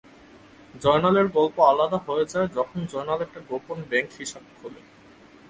জয়নালের গল্প আলাদা হয়ে যায় যখন জয়নাল একটা গোপন ব্যাংক হিসাব খোলে।